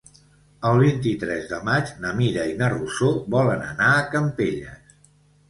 El vint-i-tres de maig na Mira i na Rosó volen anar a Campelles.